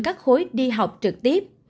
các khối đi học trực tiếp